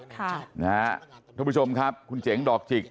ท่านผู้ชมครับคุณเจ๋งดอกจิก